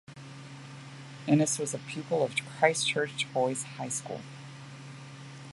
Innes was a pupil of Christchurch Boys' High School.